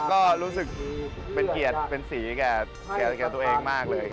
ก็รู้สึกเป็นเกียรติเป็นสีแก่ตัวเองมากเลย